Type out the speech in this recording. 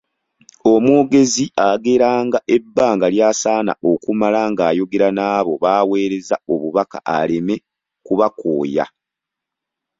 Omwogezi agerenga ebbanga ly'asaana okumala ng'ayogera n'abo baweereza obubaka aleme kubakooya.